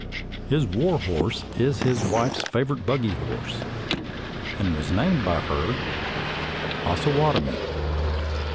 His war horse is his wife's favorite buggy horse, and was named by her Ossawatomie.